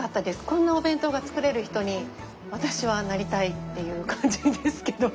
こんなお弁当が作れる人に私はなりたいっていう感じですけど。